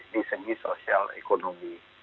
disengi sosial ekonomi